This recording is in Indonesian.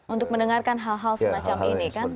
untuk mendengarkan hal hal semacam ini kan